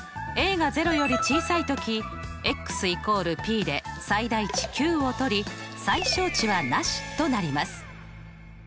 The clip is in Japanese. が０より小さいとき＝ｐで最大値ｑをとり最小値はなしとなります。